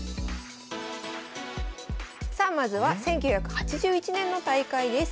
さあまずは１９８１年の大会です。